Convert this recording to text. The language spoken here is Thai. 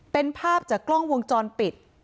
เป็นภาพจากกล้องวงจรปิด